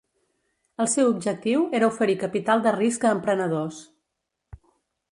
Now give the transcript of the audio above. El seu objectiu era oferir capital de risc a emprenedors.